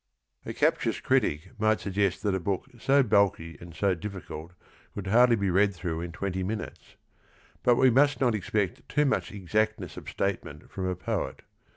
A captious critic might suggest that a book so bulky and so difficult could hardly be read through in twenty minutes. But we must not expect too much exactness of statement from a poet.